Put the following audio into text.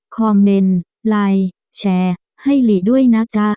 คอมเมนต์ไลน์แชร์ให้หลีด้วยนะจ๊ะ